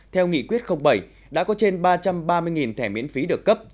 theo nghị quyết bảy đã có trên ba trăm ba mươi thẻ miễn phí được cấp